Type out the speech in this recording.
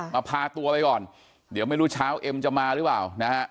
พาตัวไปก่อนเดี๋ยวไม่รู้เช้าเอ็มจะมาหรือเปล่านะฮะ